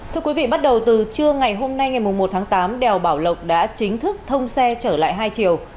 thưa quý vị bắt đầu từ trưa ngày hôm nay ngày một tháng tám đèo bảo lộc đã chính thức thông xe trở lại hai chiều